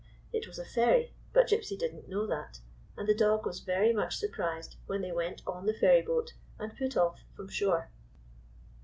It was a ferry; but Gypsy did n't know that, and the dog was very much i33 GYPSY, THE TALKING DOG surprised wlien they went on the ferryboat and put off from shore.